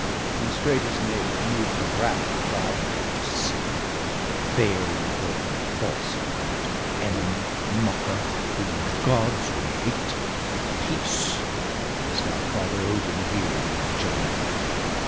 And straight his neighbour, moved with wrath, repHed :—' Deceiver ! fair in form, but false in heart ! Enemy, mocker, whom, though Gods, we hate — Peace, lest our father Odin hear thee gibe